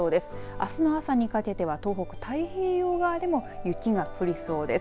あすの朝にかけては東北太平洋側でも雪が降りそうです。